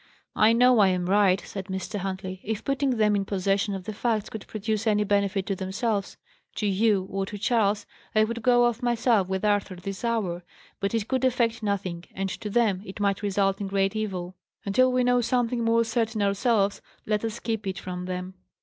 "I know I am right," said Mr. Huntley. "If putting them in possession of the facts could produce any benefit to themselves, to you, or to Charles, I would go off myself with Arthur this hour. But it could effect nothing; and, to them, it might result in great evil. Until we know something more certain ourselves, let us keep it from them."